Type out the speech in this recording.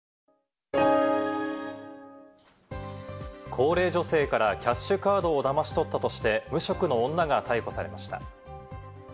高齢女性からキャッシュカードをだまし取ったとして、無職の女が逮捕されました。